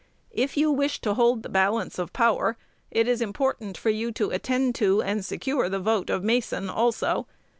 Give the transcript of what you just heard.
If you wish to hold the balance of power, it is important for you to attend to and secure the vote of Mason also.